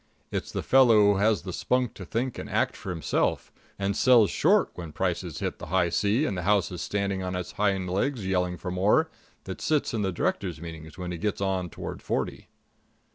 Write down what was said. It's the fellow who has the spunk to think and act for himself, and sells short when prices hit the high C and the house is standing on its hind legs yelling for more, that sits in the directors' meetings when he gets on toward forty.